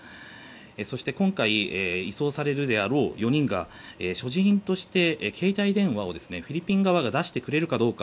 そして今回移送されるであろう４人が所持品として携帯電話をフィリピン側が出してくれるかどうか。